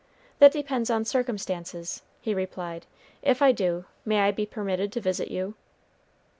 "That depends on circumstances," he replied. "If I do, may I be permitted to visit you?"